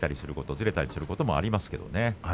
ずれたりすることもありますけれども。